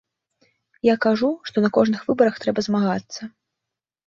Я кажу, што на кожных выбарах трэба змагацца.